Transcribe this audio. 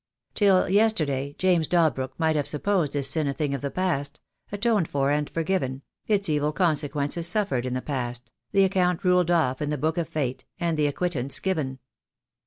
Till yesterday James Dalbrook might have supposed his sin a thing of the past, atoned for and forgiven — its evil consequences suffered in the past, the account ruled off in the book of fate, and the acquittance given.